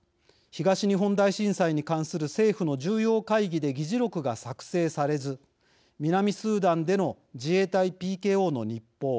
東日本大震災に関する政府の重要会議で議事録が作成されず南スーダンでの自衛隊ＰＫＯの日報。